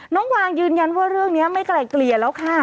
น้องวางยืนยันว่าเรื่องนี้ไม่ไกลเกลี่ยแล้วค่ะ